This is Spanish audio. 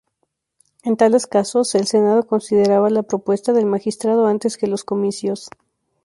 En tales casos, el Senado consideraba la propuesta del Magistrado antes que los Comicios.